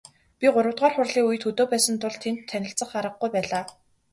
Би гуравдугаар хурлын үед хөдөө байсан тул тэнд танилцах аргагүй байлаа.